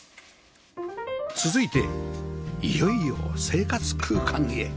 続いていよいよ生活空間へ